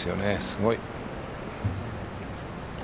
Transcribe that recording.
すごい。